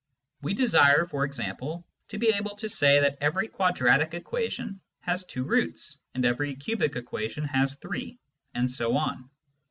We desire, for example, to be able to say that every quadratic equation has two roots, and every cubic equation has three, and so on.